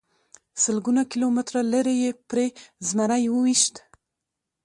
سلګونه کیلومتره لرې یې پرې زمری وويشت.